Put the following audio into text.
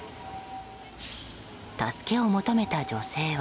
助けを求めた女性は。